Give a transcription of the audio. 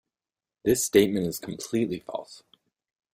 This statement is completely false.